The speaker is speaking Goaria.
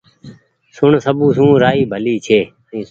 سڻ سب سون رآئي ڀلي ڇي